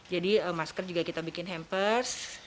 masker juga kita bikin hampers